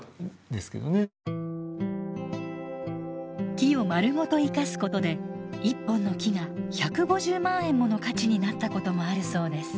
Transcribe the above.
木をまるごと生かすことで１本の木が１５０万円もの価値になったこともあるそうです。